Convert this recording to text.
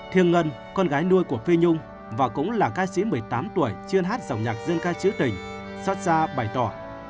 thiên ngân con gái nuôi của phi nhung và cũng là ca sĩ một mươi tám tuổi chuyên hát giọng nhạc dương ca chữ tình xót ra bày tỏ